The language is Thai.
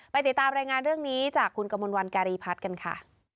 ติดตามรายงานเรื่องนี้จากคุณกมลวันการีพัฒน์กันค่ะ